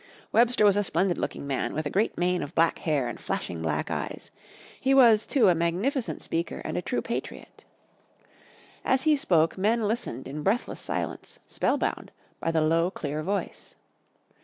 Webster was a splendid looking man with a great mane of black hair and flashing black eyes. He was, too, a magnificent speaker and a true patriot. As he spoke men listened in breathless silence, spellbound, by the low clear voice.